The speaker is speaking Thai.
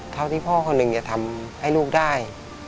เท่าที่พ่อคนหนึ่งจะทำให้ลูกได้